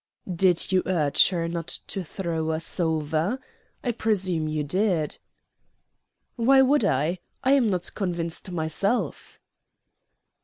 "Did you urge her not to throw us over? I presume you did." "Why should I? I am not convinced myself."